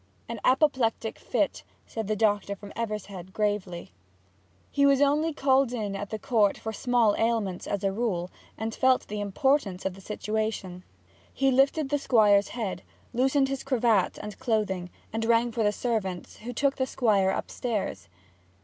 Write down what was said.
'An apoplectic fit,' said the doctor from Evershead, gravely. He was only called in at the Court for small ailments, as a rule, and felt the importance of the situation. He lifted the Squire's head, loosened his cravat and clothing, and rang for the servants, who took the Squire upstairs.